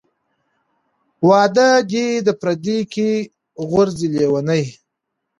ـ واده دى د پرديي کې غورځي لېوني .